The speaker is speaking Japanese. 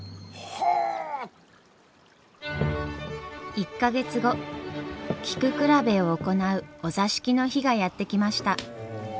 １か月後菊比べを行うお座敷の日がやって来ました。